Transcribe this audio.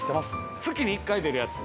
月に１回出るやつ。